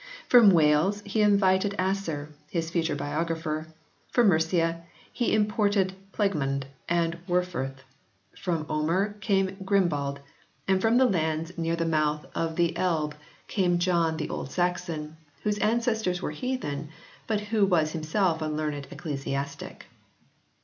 From Wales he invited Asser, his future biographer ; from Mercia he imported Plegmund and Werferth ; from Omer came Grimbald, and from the lands near the mouth I] ANGLO SAXON VERSIONS 13 of the Elbe came John the Old Saxon, whose an cestors were heathen, but who was himself a learned ecclesiastic.